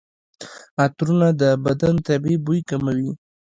عطرونه د بدن طبیعي بوی کموي.